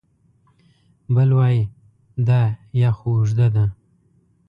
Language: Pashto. بل وای دا یا خو اوږده ده